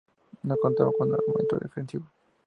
No contaba con armamento defensivo.